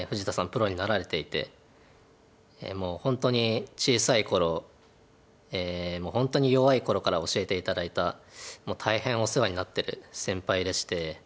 プロになられていて本当に小さい頃もう本当に弱い頃から教えて頂いた大変お世話になってる先輩でして。